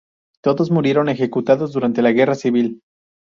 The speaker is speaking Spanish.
Todos murieron ejecutados durante la guerra civil.